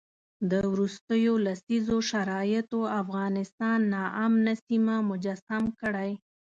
د وروستیو لسیزو شرایطو افغانستان ناامنه سیمه مجسم کړی.